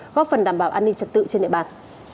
góp phần đảm bảo an ninh trật tự trên địa bàn